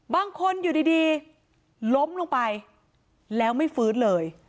บางคนอยู่ดีล้มลงไปแล้วไม่ฟื้นเลย